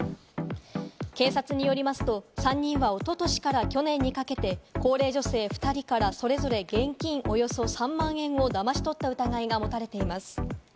警察によりますと、３人はおととしから去年にかけて高齢女性２人からそれぞれ現金およそ３万円をだまし取った疑いが持たれています。